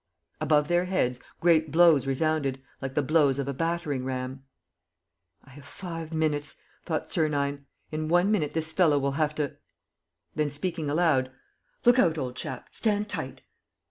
Above their heads great blows resounded, like the blows of a battering ram. ... "I have five minutes," thought Sernine. "In one minute this fellow will have to ..." Then, speaking aloud, "Look out, old chap. Stand tight!"